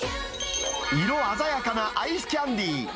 色鮮やかなアイスキャンディー。